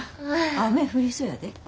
雨降りそやで。